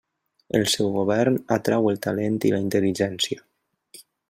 El seu govern atrau el talent i la intel·ligència.